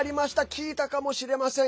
聞いたかもしれません。